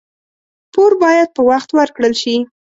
پور باید په وخت ورکړل شي.